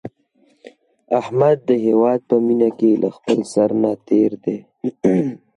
احمد د هیواد په مینه کې له خپل سر نه تېر دی.